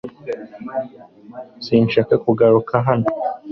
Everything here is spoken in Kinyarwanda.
Sinshaka kugaruka hano .